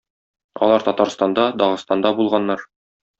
Алар Татарстанда, Дагыстанда булганнар.